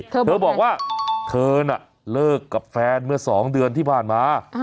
เธอบอกว่าเธอน่ะเลิกกับแฟนเมื่อ๒เดือนที่ผ่านมา